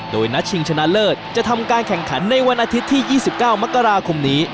โดยนัดชิงชนะเลิศจะทำการแข่งขันในวันอาทิตย์ที่๒๙มกราคมนี้